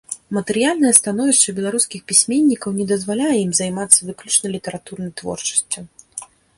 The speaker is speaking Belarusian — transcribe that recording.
Матэрыяльнае становішча беларускіх пісьменнікаў не дазваляе ім займацца выключна літаратурнай творчасцю.